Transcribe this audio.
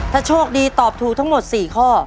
ถ้าโชคดีตอบถูกทั้งหมด๔ข้อ